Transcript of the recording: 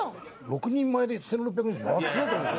６人前で１６２０円安っ！と思って。